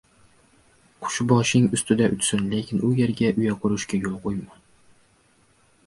• Qush boshing ustida uchsin, lekin u yerga uya qurishiga yo‘l qo‘yma.